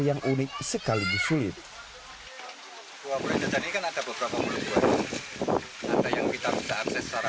yang unik sekaligus sulit gua pulijajar ini kan ada beberapa mulut ada yang kita bisa akses secara